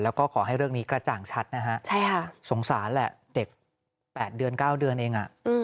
แล้วก็ขอให้เรื่องนี้กระจ่างชัดนะฮะสงสารแหละเด็ก๘เดือน๙เดือนเอง